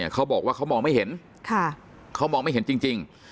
เขาบอกว่าเขามองไม่เห็นเขามองไม่เห็นจริง